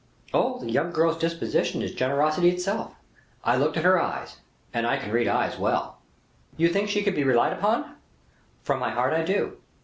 "Oh! the young girl's disposition is generosity itself; I looked at her eyes, and I can read eyes well." "You think she can be relied upon?" "From my heart I do."